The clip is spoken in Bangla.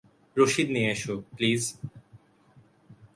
রশিদ নিয়ে এসো, প্লিজ?